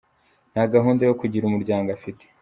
Nta gahunda yo kugira umuryango afite.